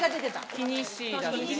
気にしい。